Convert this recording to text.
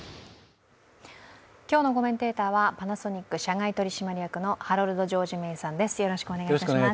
今日のコメンテーターはパナソニック社外取締役のハロルド・ジョージ・メイさんです。